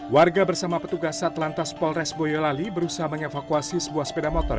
warga bersama petugas satlantas polres boyolali berusaha mengevakuasi sebuah sepeda motor